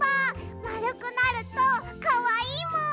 まるくなるとかわいいもん！